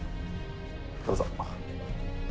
どうぞ。